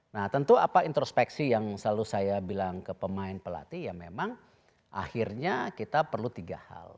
nah tentu apa introspeksi yang selalu saya bilang ke pemain pelatih ya memang akhirnya kita perlu tiga hal